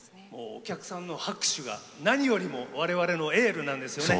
お客さんの拍手が何よりも我々のエールなんですよね。